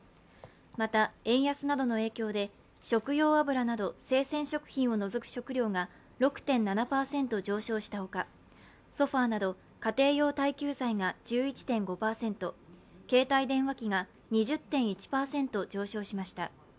また円安などの影響で食用油など生鮮食品を除く食料が６．７％上昇したほか、ソファーなど家庭用耐久財が１１．５％、携帯電話機が２０．１％上昇しました。